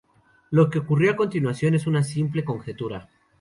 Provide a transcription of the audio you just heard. Lo que ocurrió a continuación es una simple conjetura.